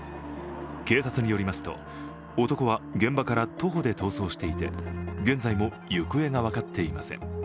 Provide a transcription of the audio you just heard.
警察によりますと男は現場から徒歩で逃走していて現在も行方が分かっていません。